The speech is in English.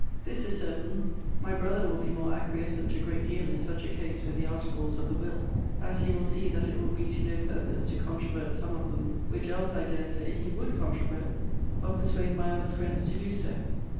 This is certain: my brother will be more acquiescent a great deal in such a case with the articles of the will, as he will see that it will be to no purpose to controvert some of them, which else, I dare say, he would controvert, or persuade my other friends to do so.